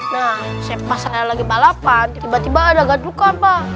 nah pas sekali lagi balapan tiba tiba ada gadukan pak